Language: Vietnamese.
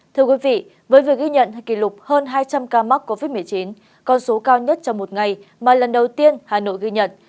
thưa quý vị với việc ghi nhận kỷ lục hơn hai trăm linh ca mắc covid một mươi chín con số cao nhất trong một ngày mà lần đầu tiên hà nội ghi nhận